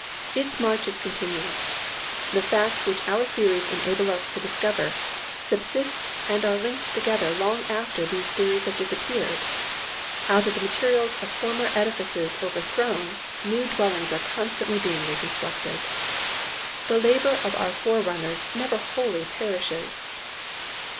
Its march is continuous. The facts which our theories enable us to discover, subsist and are linked together long after these theories have disappeared. Out of the materials of former edifices overthrown, new dwellings are constantly being reconstructed. The labour of our forerunners never wholly perishes.